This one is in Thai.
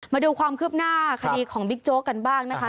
มาดูความคืบหน้าคดีของบิ๊กโจ๊กกันบ้างนะคะ